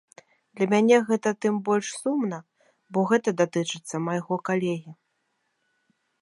Для мяне гэта тым больш сумна, бо гэта датычыць майго калегі.